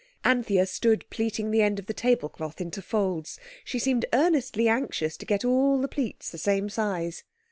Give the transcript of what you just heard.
Anthea stood pleating the end of the tablecloth into folds—she seemed earnestly anxious to get all the pleats the same size.